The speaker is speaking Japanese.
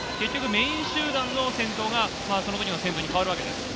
メイン集団の先頭がその時の先頭に変わります。